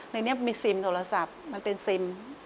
ในนี้มีซิมโทรศัพท์มันเป็นซิม